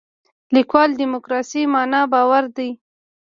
لیکوال دیموکراسي معنا باور دی.